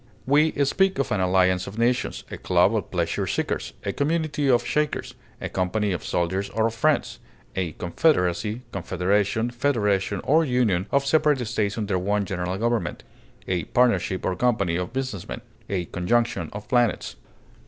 We speak of an alliance of nations, a club of pleasure seekers, a community of Shakers, a company of soldiers or of friends, a confederacy, confederation, federation, or union of separate states under one general government, a partnership or company of business men, a conjunction of planets.